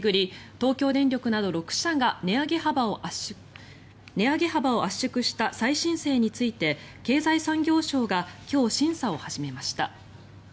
東京電力など６社が値上げ幅を圧縮した再申請について経済産業省が今日、審査を始めました。